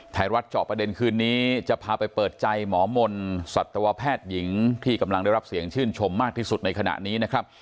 เจาะประเด็นคืนนี้จะพาไปเปิดใจหมอมนต์สัตวแพทย์หญิงที่กำลังได้รับเสียงชื่นชมมากที่สุดในขณะนี้นะครับ